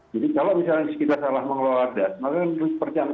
jadi kalau misalnya kita salah mengelola dasar maka